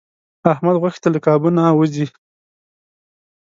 احمد غوښې ته له کابو نه و ځي.